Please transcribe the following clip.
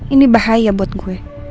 ini bahaya buat gue